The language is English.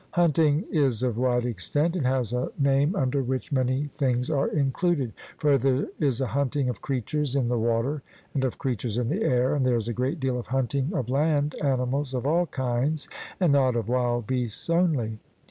Hunting is of wide extent, and has a name under which many things are included, for there is a hunting of creatures in the water, and of creatures in the air, and there is a great deal of hunting of land animals of all kinds, and not of wild beasts only.